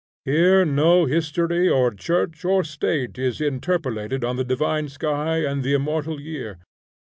Here no history, or church, or state, is interpolated on the divine sky and the immortal year.